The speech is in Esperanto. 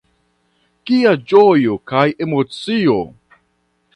Kia ĝojo kaj emocio!